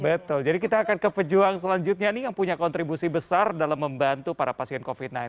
betul jadi kita akan ke pejuang selanjutnya nih yang punya kontribusi besar dalam membantu para pasien covid sembilan belas